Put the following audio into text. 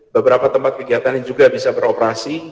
beberapa tempat kegiatan yang juga bisa beroperasi